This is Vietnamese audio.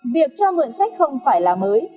việc cho mượn sách không phải là mới